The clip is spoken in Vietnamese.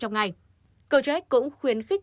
trong ngày gojek cũng khuyến khích